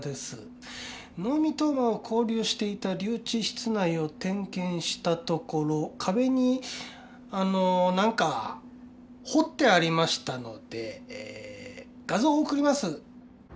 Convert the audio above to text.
能見冬馬を勾留していた留置室内を点検したところ壁にあのなんか彫ってありましたので画像を送ります。